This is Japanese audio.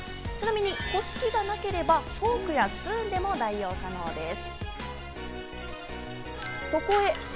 ちなみに、こし器がなければ、フォークやスプーンでも代用可能です。